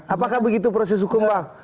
apakah begitu proses hukum bang